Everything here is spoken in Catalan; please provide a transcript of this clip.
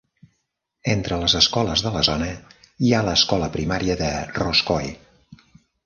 Entre les escoles de la zona hi ha l'escola primaria de Roscoe.